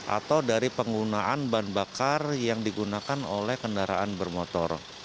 atau dari penggunaan bahan bakar yang digunakan oleh kendaraan bermotor